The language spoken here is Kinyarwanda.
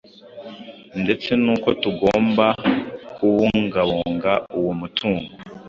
ndetse n’uko tugomba kubungabunga uwo mutungo